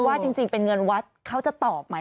ว่าจริงเป็นเงินวัดเขาจะตอบไหม